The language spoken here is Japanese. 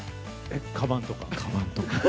かばんとか。